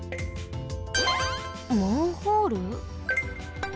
マンホール？